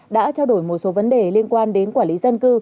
đã trao đổi một số vấn đề liên quan đến quản lý dân cư